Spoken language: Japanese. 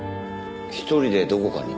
一人でどこかに。